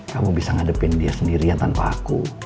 kamu bisa ngadepin dia sendirian tanpa aku